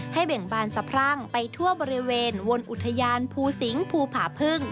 เบ่งบานสะพรั่งไปทั่วบริเวณวนอุทยานภูสิงภูผาพึ่ง